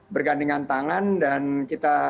bergandingan tangan dan kita